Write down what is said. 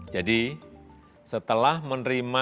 jadi setelah menerima